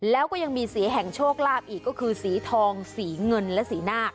แล้วก็ยังมีสีแห่งโชคลาภอีกก็คือสีทองสีเงินและสีหน้า